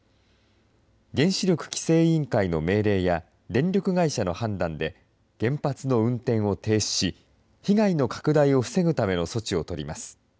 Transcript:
原子力規制委員会の命令や電力会社の判断で、原発の運転を停止し、被害の拡大を防ぐための措置を取ります。